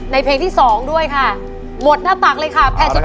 ในเพลงที่๒ด้วยค่ะหมดหน้าตักเลยค่ะแผ่นสุดท้ายค่ะ